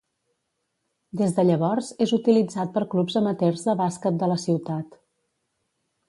Des de llavors és utilitzat per clubs amateurs de bàsquet de la ciutat.